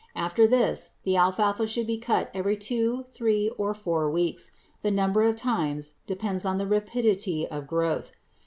After this the alfalfa should be cut every two, three, or four weeks. The number of times depends on the rapidity of growth.